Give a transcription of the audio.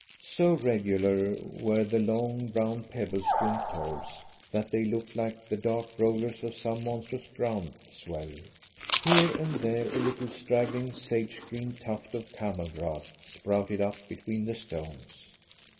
So regular were the long, brown pebble strewn curves, that they looked like the dark rollers of some monstrous ground swell. Here and there a little straggling sage green tuft of camel grass sprouted up between the stones.